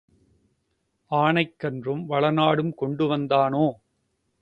ஆனைக் கன்றும் வளநாடும் கொண்டு வந்தானோ?